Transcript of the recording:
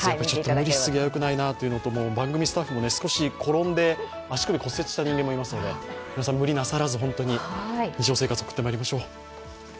無理しすぎはよくないなと、番組スタッフも転んで足首を骨折した人間もいますので皆さん無理せずに日常生活送ってまいりましょう。